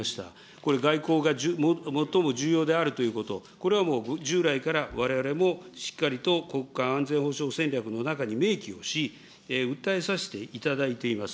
これ、外交が最も重要であるということ、これはもう従来から、われわれもしっかりと国家安全保障戦略の中に明記をし、訴えさせていただいています。